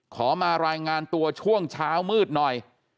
ขอมารายงานตัวช่วงเช้ามืดหน่อย